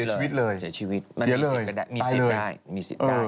เสียชีวิตมันมีสิทธิ์ได้